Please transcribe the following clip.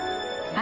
あ！